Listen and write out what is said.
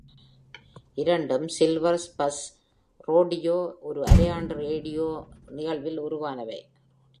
இரண்டும் silver spurs rodeo ஒரு அரையாண்டு ரோடியோ நிகழ்வில் உருவானவை.